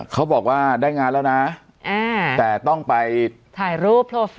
เขาบอกว่าได้งานแล้วนะแต่ต้องไปถ่ายรูปโทร